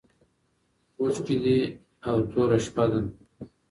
اوښکي دي او توره شپه ده